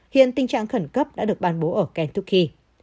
hiện tình trạng khẩn cấp đã được ban bố ở kentucky